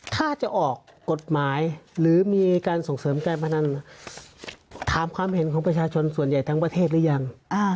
ถ้าจะออกกฎหมายหรือมีการส่งเสริมการพนันถามความเห็นของประชาชนส่วนใหญ่ทั้งประเทศหรือยัง